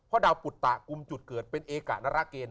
เพราะดาวปุตตะกุมจุดเกิดเป็นเอกะนรเกณฑ